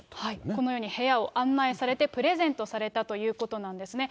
このように部屋を案内されて、プレゼントされたということなんですね。